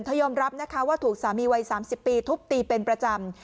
ยอมรับนะคะว่าถูกสามีวัย๓๐ปีทุบตีเป็นประจำ